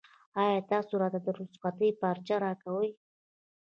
ایا تاسو راته د رخصتۍ پارچه راکوئ؟